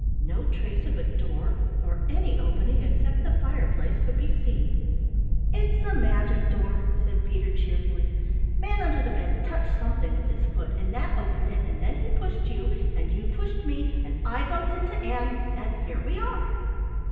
No trace of a door or any opening except the fireplace could be seen. "It's a magic door," said Peter cheerfully. "Manunderthebed touched something with his foot and that opened it and then he pushed you and you pushed me and I bumped into Ann, and here we are."